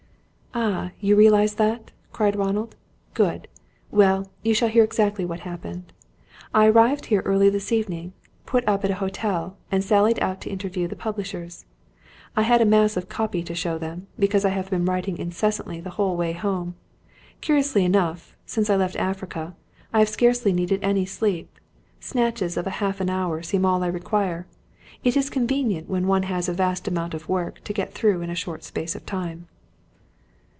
"Ah, you realise that?" cried Ronald. "Good! Well, you shall hear exactly what happened. I arrived here early this morning, put up at a hotel, and sallied out to interview the publishers. I had a mass of 'copy' to show them, because I have been writing incessantly the whole way home. Curiously enough, since I left Africa, I have scarcely needed any sleep. Snatches of half an hour seem all I require. It is convenient when one has a vast amount of work to get through in a short space of time."